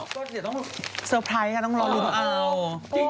ต้องเชื่อต้องเซอร์ไพรส์ต้องรอรินเอา